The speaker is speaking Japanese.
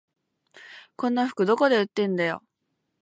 こんな服どこで売ってんだよ